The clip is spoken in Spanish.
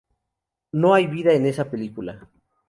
No hay vida en esa película.